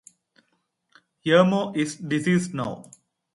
Yermo is deceased now.